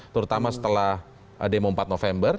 terutama setelah demo empat november